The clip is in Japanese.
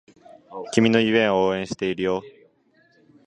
君の夢を応援しているよ